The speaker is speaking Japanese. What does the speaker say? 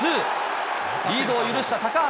リードを許した高橋。